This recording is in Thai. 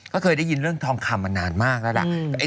ก็เคยได้ยินเรื่องทองคำมานานมากแล้วล่ะ